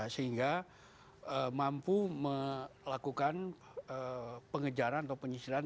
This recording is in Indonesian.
sehingga mampu melakukan pengejaran atau penyisiran